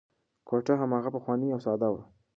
کوټه هماغه پخوانۍ او ساده وه.